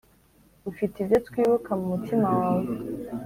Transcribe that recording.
ufite ibyo twibuka mu mutima wawe.